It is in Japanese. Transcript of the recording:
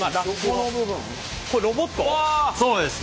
そうです。